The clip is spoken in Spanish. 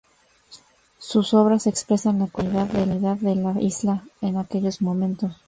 Sus obras expresan la cotidianidad de la Isla en aquellos momentos.